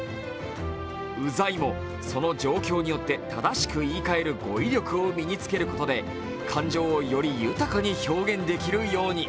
うざいも、その状況によって正しく言い換える語彙力を身につけることで感情をより豊かに表現できるように。